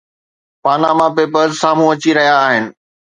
Panama Papers سامهون اچي رهيا آهن.